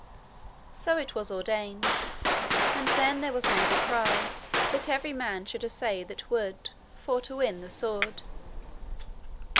So it was ordained, and then there was made a cry, that every man should assay that would, for to win the sword.